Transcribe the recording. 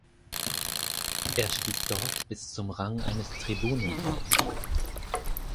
Er stieg dort bis zum Rang eines Tribunen auf.